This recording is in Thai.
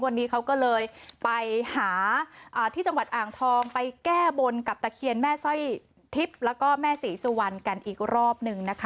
วันนี้เขาก็เลยไปหาที่จังหวัดอ่างทองไปแก้บนกับตะเคียนแม่สร้อยทิพย์แล้วก็แม่ศรีสุวรรณกันอีกรอบหนึ่งนะคะ